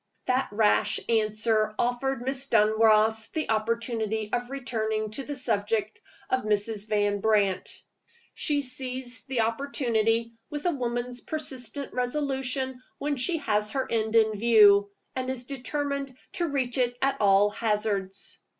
That rash answer offered Miss Dunross the opportunity of returning to the subject of Mrs. Van Brandt. She seized the opportunity with a woman's persistent resolution when she has her end in view, and is determined to reach it at all hazards.